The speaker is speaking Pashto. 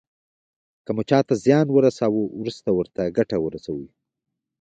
که مو چاته زیان ورساوه وروسته ورته ګټه ورسوئ.